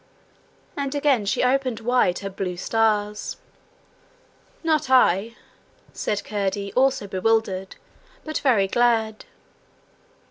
And again she opened wide her blue stars. 'Not I,' said Curdie, also bewildered, but very glad.